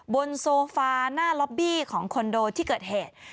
บนโซฟาหน้าล็อบบี้ของคอนโดที่เกิดเหตุ